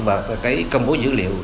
và cái công bố dữ liệu